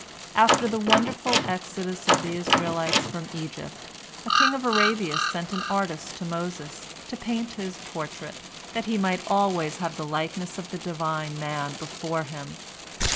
After the wonderful exodus of the Israelites from Egypt, a king of Arabia sent an artist to Moses, to paint his portrait, that he might always have the likeness of the divine man before him.